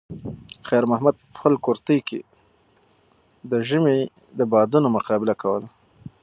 خیر محمد په خپل کورتۍ کې د ژمي د بادونو مقابله کوله.